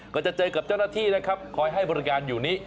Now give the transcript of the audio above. ก็จะเจอกับเจ้าหน้าที่นะครับคอยให้บริการอยู่นี้